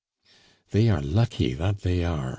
"They are lucky, that they are!"